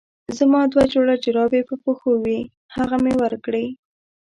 زما دوه جوړه جرابې په پښو وې هغه مې ورکړې.